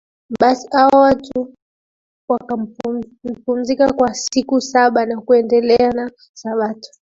Basi hao watu wakapumzika kwa siku ya saba na kuendelea na sabato